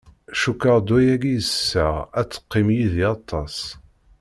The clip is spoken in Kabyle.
Cukkeɣ ddwa-yagi i sesseɣ ad teqqim yid-i aṭas.